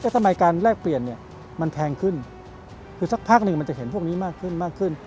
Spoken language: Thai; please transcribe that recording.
ทำไมการแลกเปลี่ยนเนี่ยมันแพงขึ้นคือสักพักหนึ่งมันจะเห็นพวกนี้มากขึ้นมากขึ้น